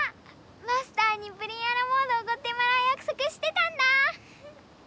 マスターにプリン・ア・ラ・モードおごってもらうやくそくしてたんだ。フフッ。